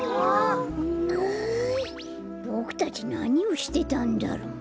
ボクたちなにをしてたんだろう？